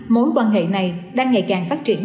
mối quan hệ này đang ngày càng phát triển